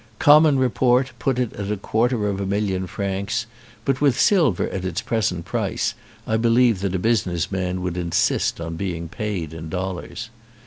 Common report put it at a quarter of a million francs, but with silver at its present price I believe that a business man would insist on being paid in dollars.